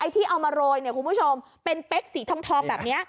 ที่เอามาโรยคุณผู้ชมเป็นเป๊กสีทองแบบนี้